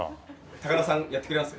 高田さんやってくれます？